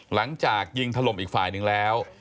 หลังจากยิงถล่มอีกฝ่ายหนึ่งแล้ว